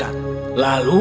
lalu aku akan mencari kembali